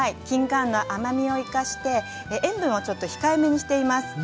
きんかんの甘みを生かして塩分をちょっと控えめにしています。